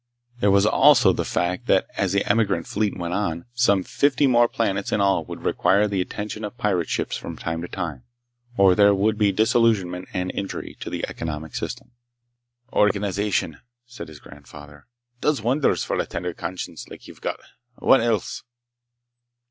There was also the fact that as the emigrant fleet went on, some fifty more planets in all would require the attention of pirate ships from time to time, or there would be disillusionment and injury to the economic system. "Organization," said his grandfather, "does wonders for a tender conscience like you've got. What else?"